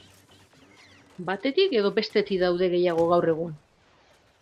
Batetik edo bestetik daude gehiago gaur egun?